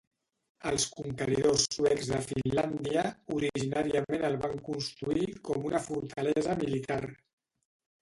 Els conqueridors suecs de Finlàndia originàriament el van construir com una fortalesa militar.